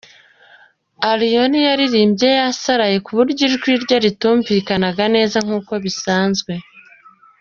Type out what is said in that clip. Allioni yaririmbye yasaraye ku buryo ijwi rye ritumvikanaga neza nk’uko bisanzwe.